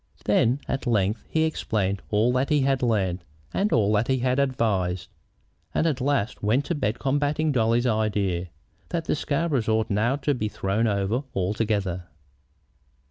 Then at length he explained all that he had learned, and all that he had advised, and at last went to bed combating Dolly's idea that the Scarboroughs ought now to be thrown over altogether.